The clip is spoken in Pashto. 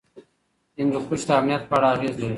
هندوکش د امنیت په اړه اغېز لري.